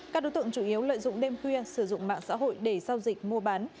các đối tượng chủ yếu lợi dụng đêm khuya sử dụng mạng xã hội để giao dịch mua bán